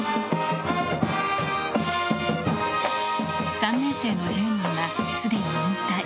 ３年生の１０人はすでに引退。